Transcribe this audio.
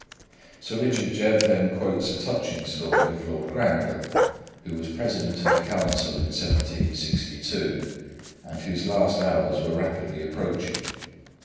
Sir Richard Jebb then quotes a touching story of Lord Granville, who was President of the Council in 1762, and whose last hours were rapidly approaching.